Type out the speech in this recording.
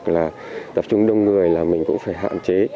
là tập trung đông người là mình cũng phải hạn chế